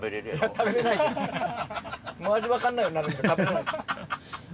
味分かんないようなるんで食べないです。